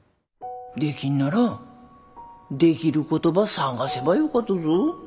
できんならできることば探せばよかとぞ。